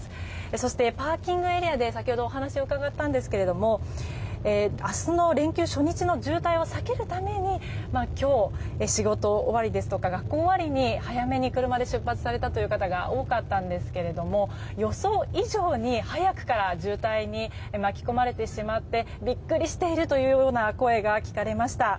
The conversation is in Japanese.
そしてパーキングエリアで先ほどお話を伺ったんですが明日の連休初日の渋滞を避けるために今日、仕事終わりや学校終わりに早めに車で出発された方が多かったんですが予想以上に早くから渋滞に巻き込まれてしまってビックリしているという声が聞かれました。